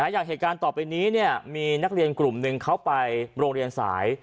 อย่างเหตุการณ์ต่อไปนี้มีนักเรียนกลุ่มหนึ่งเขาไปโรงเรียนสาย